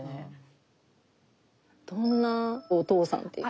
どんなお父さんっていうか。